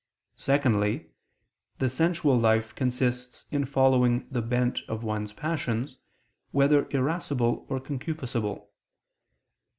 Secondly, the sensual life consists in following the bent of one's passions, whether irascible or concupiscible.